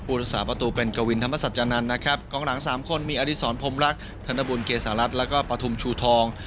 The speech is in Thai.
รักษาประตูเป็นกวินธรรมสัจจานันทร์นะครับกองหลังสามคนมีอดีศรพรมรักธนบุญเกษารัฐแล้วก็ปฐุมชูทอง